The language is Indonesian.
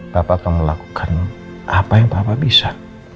papa akan melakukan apa yang papa bisa